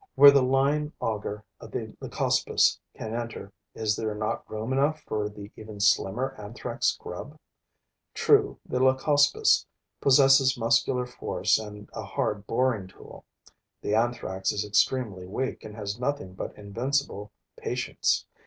Where the line auger of the Leucospis can enter, is there not room enough for the even slimmer Anthrax grub? True, the Leucospis possesses muscular force and a hard boring tool. The Anthrax is extremely weak and has nothing but invincible patience.